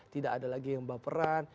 tidak ada lagi yang baperan